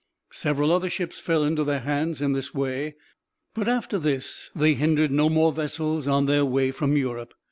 Several other ships fell into their hands in this way, but after this they hindered no more vessels on their way from Europe.